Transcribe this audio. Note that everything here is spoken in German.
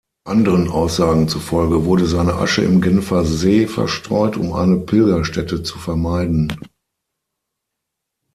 Anderen Aussagen zufolge wurde seine Asche im Genfersee verstreut, um eine Pilgerstätte zu vermeiden.